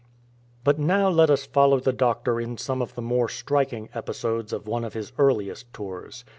But now let us follow the doctor in some of the more striking episodes of one of his earliest tours.